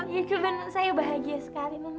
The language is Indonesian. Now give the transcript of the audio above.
ya keben saya bahagia sekali non